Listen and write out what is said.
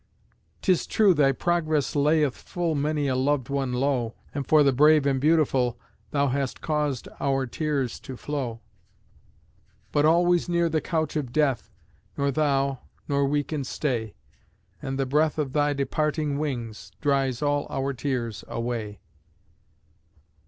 'Tis true thy progress layeth Full many a loved one low, And for the brave and beautiful Thou hast caused our tears to flow; But always near the couch of death Nor thou, nor we can stay; And the breath of thy departing wings Dries all our tears away!